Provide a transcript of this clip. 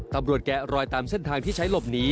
ตำรวจแกะลอยตามเส้นทางที่ใช้หลบหนี